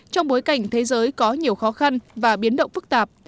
trong bối cảnh thế giới có nhiều khó khăn và biến động phức tạp